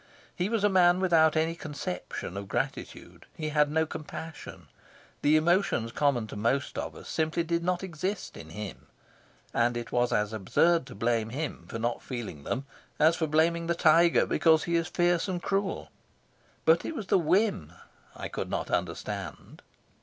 He was a man without any conception of gratitude. He had no compassion. The emotions common to most of us simply did not exist in him, and it was as absurd to blame him for not feeling them as for blaming the tiger because he is fierce and cruel. But it was the whim I could not understand.